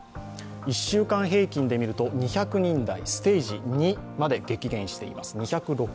１週間平均で見ると２００人台、ステージ２まで激減しています。